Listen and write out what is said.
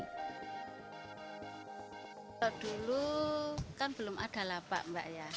kalau dulu kan belum ada lapak mbak ya